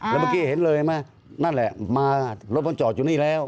แล้วเมื่อกี้เห็นเลยเห็นไหมนั่นแหละมารถมันจอดอยู่นี่แล้ว